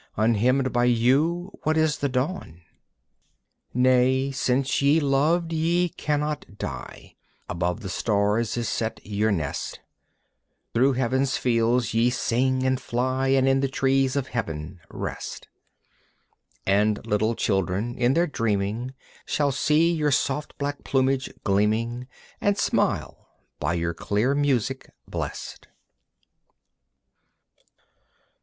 Unhymned by you, what is the dawn? Nay, since ye loved ye cannot die. Above the stars is set your nest. Through Heaven's fields ye sing and fly And in the trees of Heaven rest. And little children in their dreaming Shall see your soft black plumage gleaming And smile, by your clear music blest.